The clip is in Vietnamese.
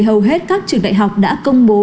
hầu hết các trường đại học đã công bố